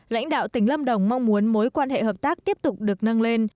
lãnh đạo tỉnh lâm đồng mong muốn mối quan hệ hợp tác tiếp tục được nâng lên